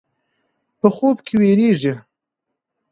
په خوب کې وېرېږي.